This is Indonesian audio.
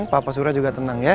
papa surya juga tenang ya